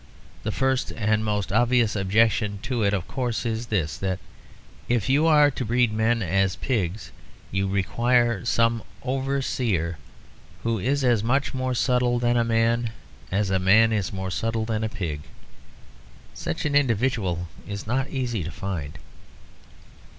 The first and most obvious objection to it of course is this: that if you are to breed men as pigs, you require some overseer who is as much more subtle than a man as a man is more subtle than a pig. Such an individual is not easy to find.